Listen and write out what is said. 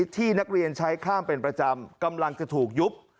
ที่นักเรียนใช้ข้ามเป็นประจำกำลังจะถูกยุบ